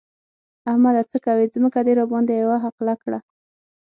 احمده! څه کوې؛ ځمکه دې راباندې يوه حقله کړه.